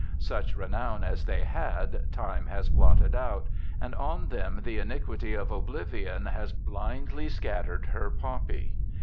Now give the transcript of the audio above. Such renown as the}' had, time has blotted out ; and on them the iniquity of oblivion has blindly scattered her poppy.